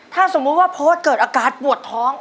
ถ้าสมมุติว่าโพสต์เกิดอาการปวดท้อง